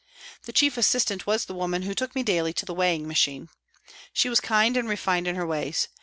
The chief assistant was the woman who took me daily to the weighing machine. She was kind and refined in her ways.